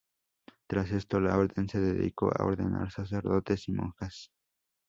Tras esto, la orden se dedicó a ordenar sacerdotes y monjas.